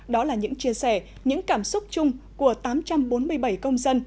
đó là những chia sẻ những cảm xúc chung của tám trăm bốn mươi bảy công dân